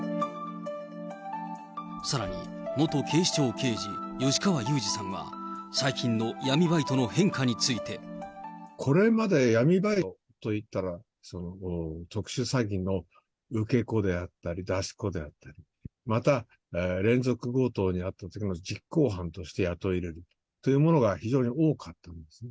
さらに、元警視庁刑事、吉川祐二さんは、最近の闇バイトの変化について。これまで闇バイトといったら、特殊詐欺の受け子であったり、出し子であったり、また連続強盗の実行犯として雇い入れるというものが非常に多かったんですね。